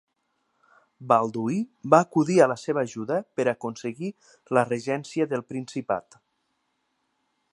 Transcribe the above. Balduí va acudir en la seva ajuda per aconseguir la regència del principat.